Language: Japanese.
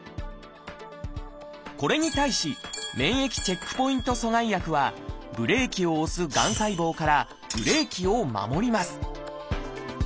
これに対し「免疫チェックポイント阻害薬」はブレーキを押すがん細胞からブレーキを守ります。